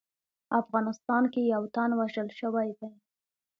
افغانستان کې یو تن وژل شوی دی